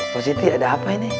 positi ada apa ini